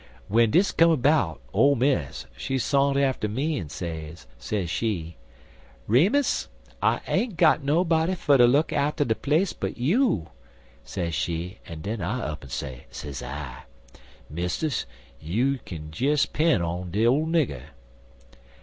W'en dis come 'bout, ole Miss, she sont atter me en say, sez she: "'Remus, I ain't got nobody fer ter look arter de place but you,' sez she, en den I up'n say, sez I: "'Mistiss, you kin des 'pen' on de ole nigger.'